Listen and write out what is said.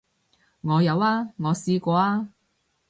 我有啊，我試過啊